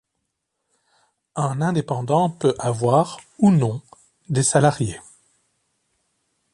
Un indépendant peut avoir ou non des salariés.